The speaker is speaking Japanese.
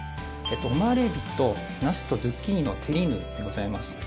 オマールエビとナスとズッキーニのテリーヌでございます。